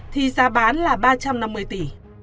thì giá bán là ba trăm năm mươi tỷ